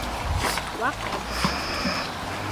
وقت ارزښتناک دی.